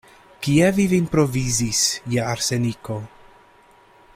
Kie vi vin provizis je arseniko?